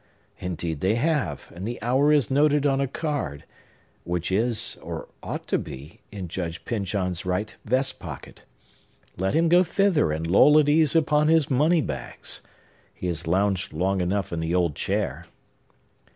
Indeed they have; and the hour is noted on a card, which is, or ought to be, in Judge Pyncheon's right vest pocket. Let him go thither, and loll at ease upon his moneybags! He has lounged long enough in the old chair!